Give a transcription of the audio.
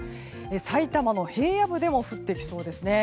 さいたまの平野部でも降ってきそうですね。